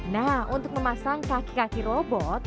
nah untuk memasang kaki kaki robot